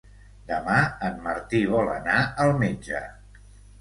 Demà en Martí vol anar al metge.